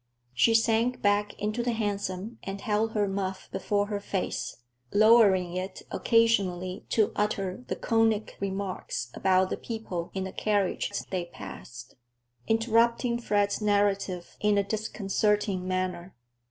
She sank back into the hansom and held her muff before her face, lowering it occasionally to utter laconic remarks about the people in the carriages they passed, interrupting Fred's narrative in a disconcerting manner.